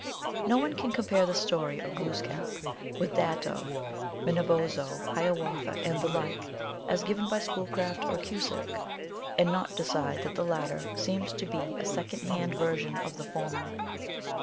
No one can compare the story of Glooskap with that of Manobozho Hiawatha and the like, as given by Schoolcraft or Cusick, and not decide that the latter seems to be a second hand version of the former.